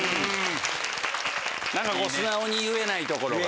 何か素直に言えないところが。